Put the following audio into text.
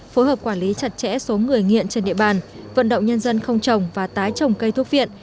phối hợp quản lý chặt chẽ số người nghiện trên địa bàn vận động nhân dân không trồng và tái trồng cây thuốc viện